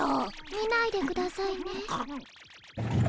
見ないでくださいね。